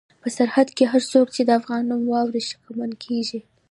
په سرحد کې هر څوک چې د افغان نوم واوري شکمن کېږي.